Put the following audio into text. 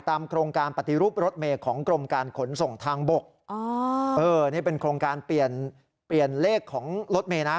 ต่างบกนี่เป็นโครงการเปลี่ยนเลขของรถเมย์นะ